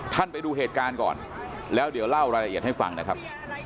ไปดูเหตุการณ์ก่อนแล้วเดี๋ยวเล่ารายละเอียดให้ฟังนะครับ